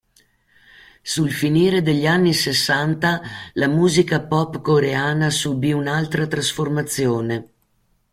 Sul finire degli anni Sessanta, la musica pop coreana subì un'altra trasformazione.